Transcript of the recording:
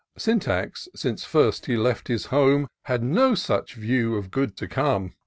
Syntax, since first he left his home. Had no such vievr of good to come.